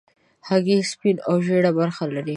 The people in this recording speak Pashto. هګۍ سپینه او ژېړه برخه لري.